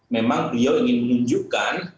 memang beliau ingin menunjukkan